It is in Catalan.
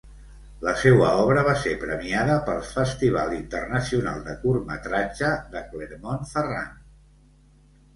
La seua obra va ser premiada pel Festival Internacional de curtmetratge de Clermont-Ferrand.